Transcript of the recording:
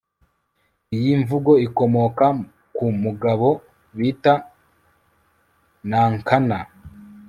iyi mvugo ikomoka ku mugabo bita nankana